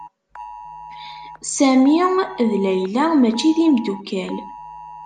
Sami d Layla mačči ad imdukkal.